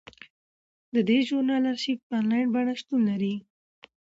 د دې ژورنال ارشیف په انلاین بڼه شتون لري.